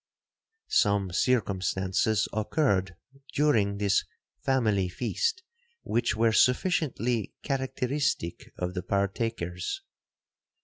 'Some circumstances occurred during this family feast, which were sufficiently characteristic of the partakers.